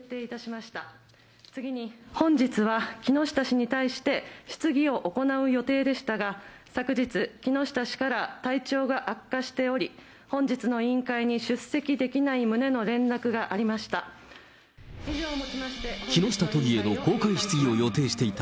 本日は、木下氏に対して、質疑を行う予定でしたが、昨日、木下氏から、体調が悪化しており、本日の委員会に出席できない旨の連絡がありました。